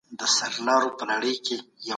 سم نیت شخړه نه راوړي.